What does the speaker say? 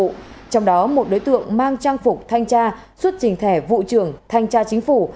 trong đó một đối tượng mang trang phục thanh tra xuất trình thẻ vụ trưởng thanh tra chính phủ